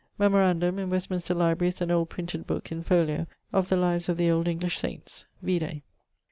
Memorandum: in Westminster library is an old printed booke, in folio, of the lives of the old English Saints: vide.